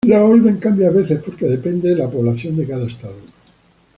La orden cambia a veces, porque depende de la población de cada estado.